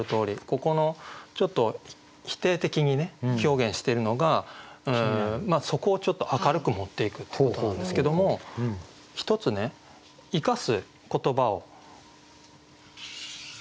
ここのちょっと否定的に表現してるのがそこをちょっと明るく持っていくっていうことなんですけども１つね生かす言葉を。